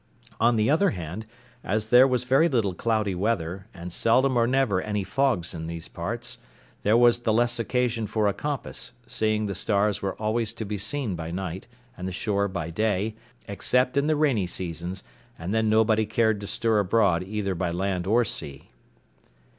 On the other hand, as there was very little cloudy weather, and seldom or never any fogs in those parts, there was the less occasion for a compass, seeing the stars were always to be seen by night, and the shore by day, except in the rainy seasons, and then nobody cared to stir abroad either by land or sea.